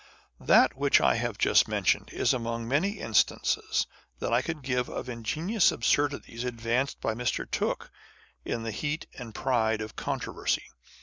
That which I have just mentioned is among many instances I could give of ingenious absurdities advanced by Mr. Tooke in the heat and pride of controversy.